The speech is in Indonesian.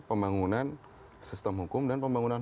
pembangunan sistem hukum dan pembangunan